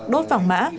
đốt phòng mã